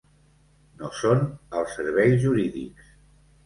No són els serveis jurídics.